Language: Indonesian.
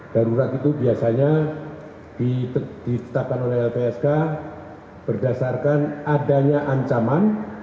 darurat itu biasanya ditetapkan oleh lpsk berdasarkan adanya ancaman